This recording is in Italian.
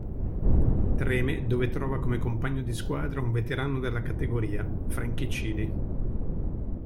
Treme dove trova come compagno di squadra un veterano della categoria: Frankie Chili.